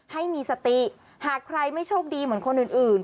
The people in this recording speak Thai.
ให้มีสติหากใครไม่โชคดีเหมือนคนอื่น